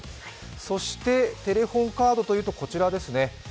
そして、テレホンカードというこちらですね。